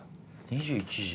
２１時。